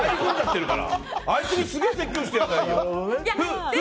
あいつにすげえ説教してやりたいよ。